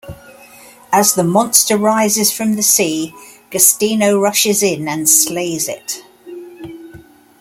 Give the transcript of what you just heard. As the monster rises from the sea, Giustino rushes in and slays it.